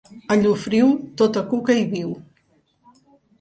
A Llofriu, tota cuca hi viu.